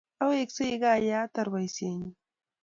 Aweksei kaa yeatar poisyennyu